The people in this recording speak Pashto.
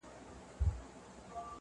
• غاړه بنده وزرونه زولانه سوه -